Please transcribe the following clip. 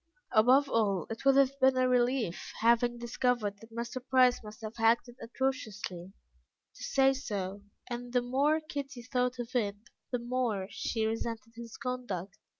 Above all, it would have been a relief, having discovered that Mr. Price must have acted atrociously, to say so, and the more Kitty thought of it, the more she resented his conduct.